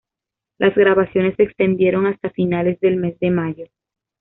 Las grabaciones se extendieron hasta finales del mes de mayo.